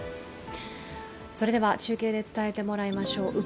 それでは中継で伝えてもらいましょう。